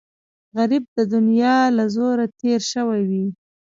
غریب د دنیا له زوره تېر شوی وي